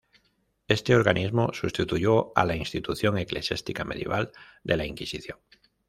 Este organismo sustituyó a la institución eclesiástica medieval de la Inquisición.